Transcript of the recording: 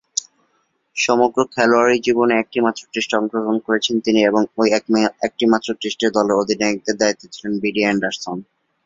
সমগ্র খেলোয়াড়ী জীবনে একটিমাত্র টেস্টে অংশগ্রহণ করেছেন তিনি এবং ঐ একটিমাত্র টেস্টেই দলের অধিনায়কের দায়িত্বে ছিলেন বিডি অ্যান্ডারসন।